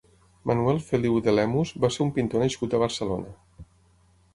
Manuel Feliu de Lemus va ser un pintor nascut a Barcelona.